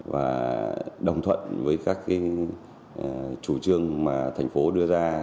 và đồng thuận với các chủ trương mà thành phố đưa ra